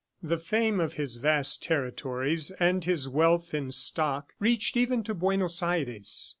The fame of his vast territories and his wealth in stock reached even to Buenos Aires.